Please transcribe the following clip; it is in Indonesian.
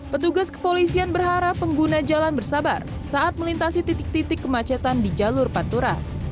petugas kepolisian berharap pengguna jalan bersabar saat melintasi titik titik kemacetan di jalur pantura